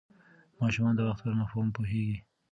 ماشومان د وخت پر مفهوم پوهېږي.